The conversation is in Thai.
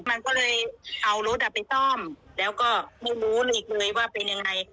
มันก็เลยเอารถไปซ่อมแล้วก็ไม่รู้อีกเลยว่าเป็นยังไง